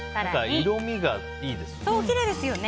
色味がいいですね。